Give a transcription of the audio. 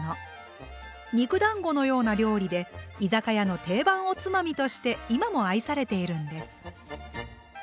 肉だんごのような料理で居酒屋の定番おつまみとして今も愛されているんです。